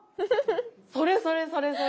それそれそれそれ。